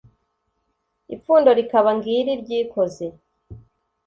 ipfundo rikaba ngiri ryikoze